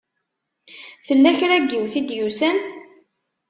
Tella kra n yiwet i d-yusan?